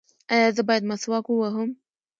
ایا زه باید مسواک ووهم؟